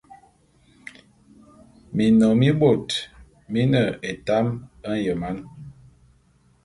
Minnom mibot mine etam enyeman.